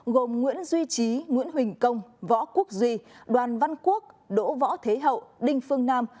gồm nguyễn duy trí nguyễn huỳnh công võ quốc duy đoàn văn quốc đỗ võ thế hậu đinh phương nam